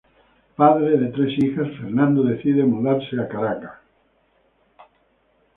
Padre de tres hijas, Fernando decide mudarse a Caracas.